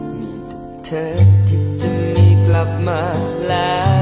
มีเธอที่จะกลับมาแล้ว